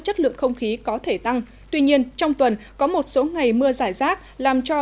chất lượng không khí có thể tăng tuy nhiên trong tuần có một số ngày mưa giải rác làm cho